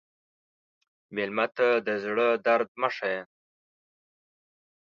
مېلمه ته د زړه درد مه ښیې.